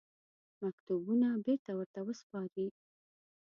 مکتوبونه بېرته ورته وسپاري.